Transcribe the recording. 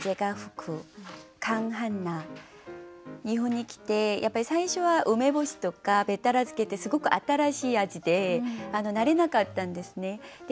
日本に来てやっぱり最初は梅干しとかべったら漬けってすごく新しい味で慣れなかったんですね。